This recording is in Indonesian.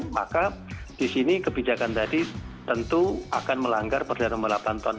maka di sini kebijakan tadi tentu akan melanggar perlindungan lapan tahun dua ribu tujuh tadi